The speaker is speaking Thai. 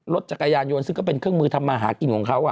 รถจักรยานยนต์ซึ่งก็เป็นเครื่องมือทำมาหากินของเขา